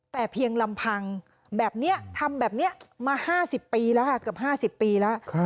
แต่เพียงลำพังแบบนี้ทำแบบนี้มา๕๐ปีแล้วค่ะเกือบ๕๐ปีแล้ว